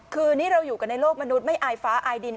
คือนี่เราอยู่กันในโลกมนุษย์ไม่อายฟ้าอายดิน